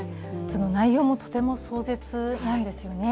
その内容もとても壮絶なんですよね。